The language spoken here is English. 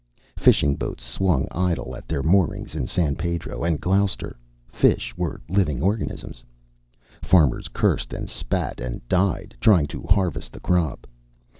Fishing boats swung idle at their moorings in San Pedro and Gloucester. Fish were living organisms. Farmers cursed and spat and died, trying to harvest the crop.